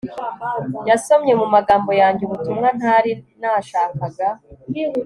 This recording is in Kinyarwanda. Yasomye mumagambo yanjye ubutumwa ntari nashakaga